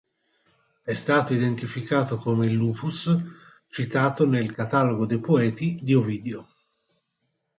È stato identificato come il "Lupus" citato nel "Catalogo dei Poeti" di Ovidio.